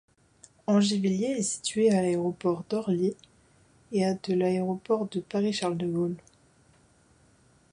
Angervilliers est située à de l'aéroport d'Orly et à de l'aéroport de Paris-Charles-de-Gaulle.